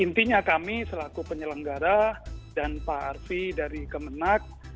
intinya kami selaku penyelenggara dan pak arfi dari kemenang